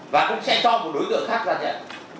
và cũng sẽ cho một đối tượng khác ra nhận